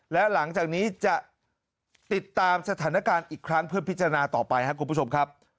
และหลังจากนี้จะติดตามสถานการณ์อีกครั้งเพื่อพิจารณาต่อไปครับคุณผู้ชมครับ